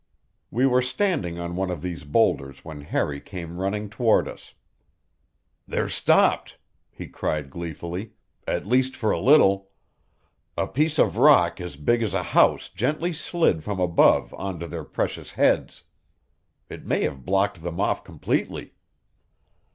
We were standing on one of these boulders when Harry came running toward us. "They're stopped," he cried gleefully, "at least for a little. A piece of rock as big as a house gently slid from above onto their precious heads. It may have blocked them off completely."